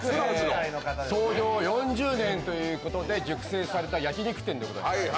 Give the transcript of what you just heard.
創業４０年ということで熟成された焼き肉店でございます。